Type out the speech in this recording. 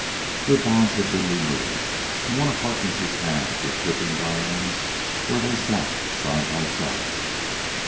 Their bonds had been removed, and one of Harkness' hands was gripping Diane's where they sat side by side.